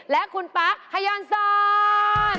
และคุณปั๊กฮยอนซอน